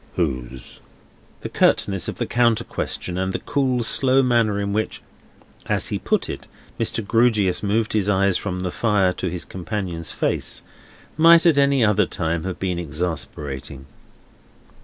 "Whose?" The curtness of the counter question, and the cool, slow manner in which, as he put it, Mr. Grewgious moved his eyes from the fire to his companion's face, might at any other time have been exasperating.